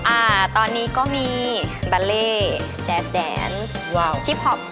อ่าตอนนี้ก็มีบาเลแจสเดนส์คลิปฮอบ